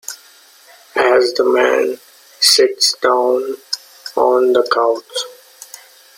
As the Man sits down on the couch.